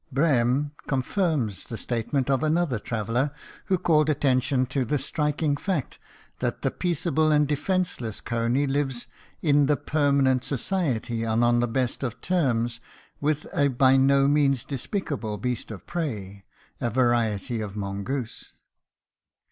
Brehm confirms the statement of another traveler, who called attention to the striking fact that the peaceable and defenseless cony lives in the permanent society and on the best of terms with a by no means despicable beast of prey, a variety of mongoose.